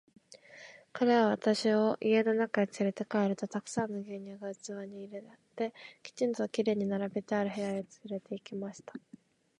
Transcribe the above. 彼は私を家の中へつれて帰ると、たくさんの牛乳が器に入れて、きちんと綺麗に並べてある部屋へつれて行きました。